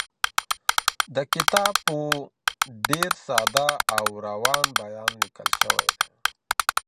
دا کتاب په ډېر ساده او روان بېان ليکل شوی دی.